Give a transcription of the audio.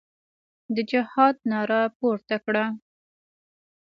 د جهاد ناره پورته کړه.